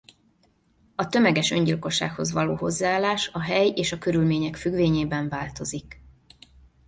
A tömeges öngyilkossághoz való hozzáállás a hely és a körülmények függvényében változik.